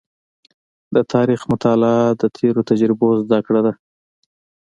د تاریخ مطالعه د تېرو تجربو زده کړه ده.